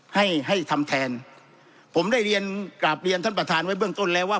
ให้ให้ทำแทนผมได้เรียนกราบเรียนท่านประธานไว้เบื้องต้นแล้วว่า